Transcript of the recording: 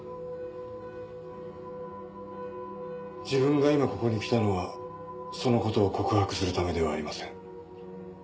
自分が今ここに来たのはそのことを告白するためではありません。